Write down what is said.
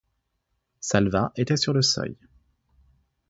Salvat était sur le seuil.